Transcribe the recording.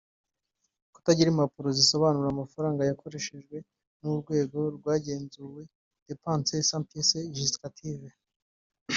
Kutagira impapuro zisobanura amafaranga yakoreshejwe n‘ urwego rwagenzuwe (Dépenses sans pièces justificatives);